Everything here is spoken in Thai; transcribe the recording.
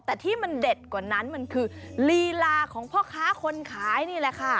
แต่ที่มันเด็ดกว่านั้นมันคือลีลาของพ่อค้าคนขายนี่แหละค่ะ